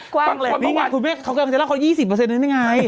กว้างเลยนี่ไงขุมแม่วเขากลัวเข้า๒๐ไหนไง